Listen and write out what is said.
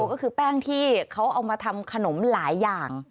ก็คือแป้งที่เขาเอามาทำขนมหลายอย่าง